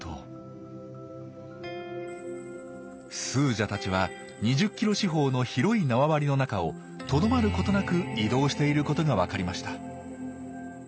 スージャたちは２０ｋｍ四方の広い縄張りの中をとどまることなく移動していることがわかりました。